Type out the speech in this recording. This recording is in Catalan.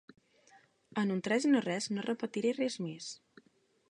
En un tres i no res, no repetiré res més.